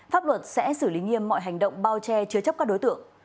pháp luật sẽ xử lý nghiêm mọi hành động bao che chứa chấp các đối tượng